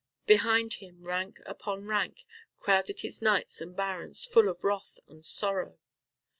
Behind him, rank upon rank, crowded his knights and barons full of wrath and sorrow.